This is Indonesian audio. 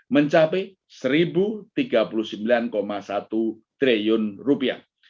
mencapai satu tiga puluh sembilan satu triliun rupiah